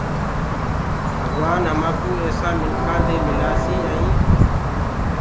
ڀگوآن همآنٚڪو ايسآ مِنکآنٚ دي ملآسي ائيٚنٚ